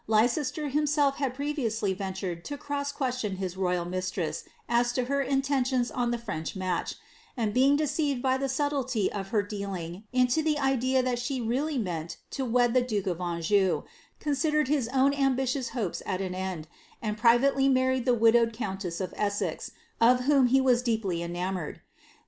Leicester himself had ' ventured to cross question his royal mistress as to her inteiw he French match, and being deceived by the subtlety of her to the idea that she really meant to wed the duke of Anjou, 1 his own ambitious hopes at an end, and privately married the countess of Essex, of whom he was deeply enamoured.